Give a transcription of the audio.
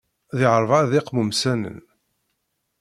Di rebɛa d iqmumsanen.